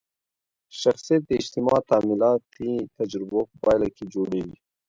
شخصیت د اجتماعي تعاملاتي تجربو په پایله کي جوړېږي.